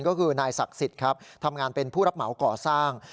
ก็คือนายศักดิ์สิทธิ์ครับทำงานเป็นผู้รับเหมาก่อสร้าง